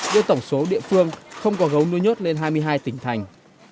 đưa tổng số địa phương không có gấu nuôi nhốt lên hai mươi hai tỉnh thành